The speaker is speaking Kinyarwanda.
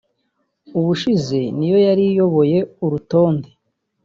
(ubushize ni yo yari iyoboye urutonde)